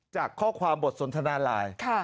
จากข้อความบทสนทนาไลน์